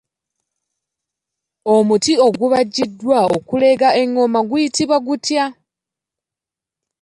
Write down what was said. Omuti ogubajjiddwa okuleega engoma guyitibwa gutya?